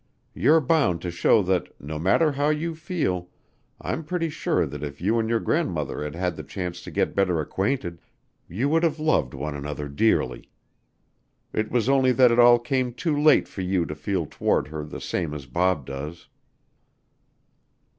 You're bound to show that, no matter how you feel. I'm pretty sure that if you an' your grandmother had had the chance to get better acquainted, you would have loved one another dearly. It was only that it all came too late for you to feel toward her the same as Bob does."